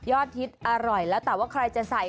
ยอดทิศอร่อยต่อใครใส่